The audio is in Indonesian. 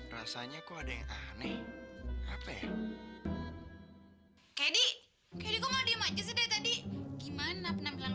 rasanya kok ada yang aneh apa ya kayak di gear di mana